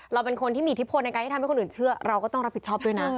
เราเป็นคนที่มีอิทธิพลในการที่ทำให้คนอื่นเชื่อเราก็ต้องรับผิดชอบด้วยนะ